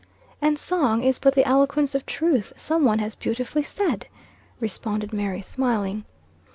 "And song is but the eloquence of truth, some one has beautifully said," responded Mary, smiling.